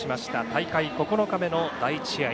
大会９日目の第１試合。